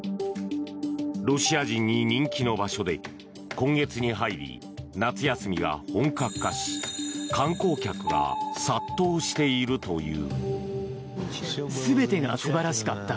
ロシア人に人気の場所で今月に入り夏休みが本格化し観光客が殺到しているという。